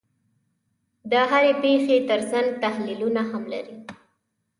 د هرې پېښې ترڅنګ تحلیلونه هم لري.